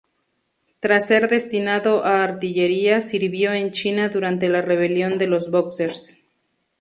Tras ser destinado a artillería, sirvió en China durante la Rebelión de los Bóxers.